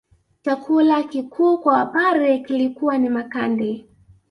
Chakula kikuu kwa wapare kilikuwa ni makande